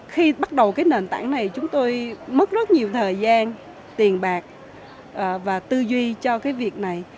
khi bắt đầu cái nền tảng này chúng tôi mất rất nhiều thời gian tiền bạc và tư duy cho cái việc này